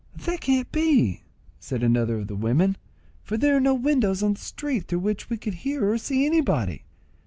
"That can't be," said another of the women, "for there are no windows on the street through which we could hear or see anybody."